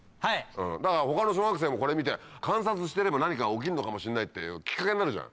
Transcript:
だから他の小学生もこれ見て観察してれば何かが起きんのかもしんないっていうきっかけになるじゃん。